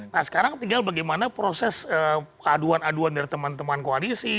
nah sekarang tinggal bagaimana proses aduan aduan dari teman teman koalisi